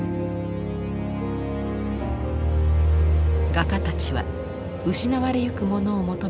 画家たちは失われゆくものを求め